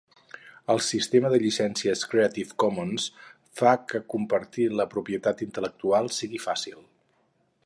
El sistema de llicències Creative Commons fa que compartir la propietat intel·lectual sigui fàcil.